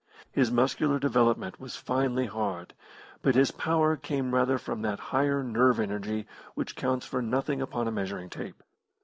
His muscular development was finely hard, but his power came rather from that higher nerve energy which counts for nothing upon a measuring tape.